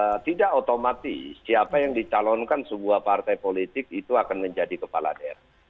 nah tidak otomatis siapa yang dicalonkan sebuah partai politik itu akan menjadi kepala daerah